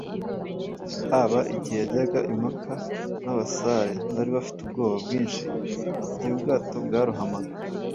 haba igihe yajyaga impaka n’abasare bari bafite ubwoba bwinshi igihe ubwato bwarohamaga